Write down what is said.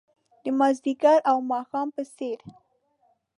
د مازدیګر او د ماښام په څیرې